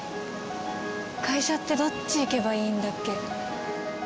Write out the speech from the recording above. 会社ってどっち行けばいいんだっけ。